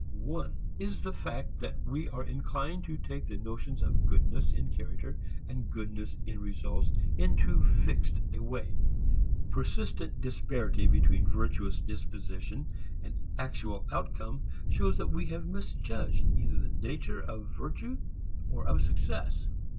One is the fact that we are inclined to take the notions of goodness in character and goodness in results in too fixed a way. Persistent disparity between virtuous disposition and actual outcome shows that we have misjudged either the nature of virtue or of success.